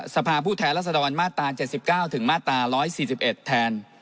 สภาพผู้แทนรัศดรมาตรา๗๙ถึงมาตรา๑๔๑แทน